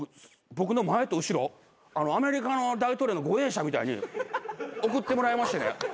僕の前と後ろアメリカの大統領の護衛車みたいに送ってもらいましてね。